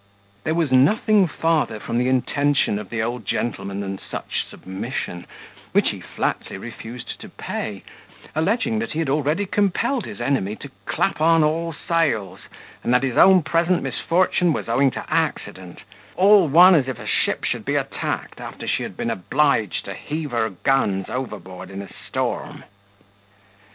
There was nothing farther from the intention of the old gentleman than such submission, which he flatly refused to pay, alleging that he had already compelled his enemy to clap on all sails, and that his own present misfortune was owing to accident; all one as if a ship should be attacked, after she had been obliged to heave her guns overboard in a storm.